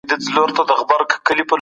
عزت په شتمنۍ کي نه بلکي په ایمان کي دی.